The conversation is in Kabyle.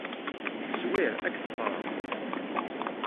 Zwir. Ad k-ḍefreɣ.